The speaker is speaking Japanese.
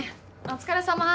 お疲れさま。